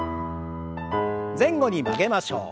前後に曲げましょう。